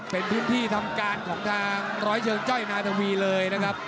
เป็นพื้นที่ทำการของทางร้อยเชิงจ้อยนาธวีเลยนะครับ